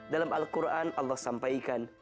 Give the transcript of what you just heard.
dalam al quran allah sampaikan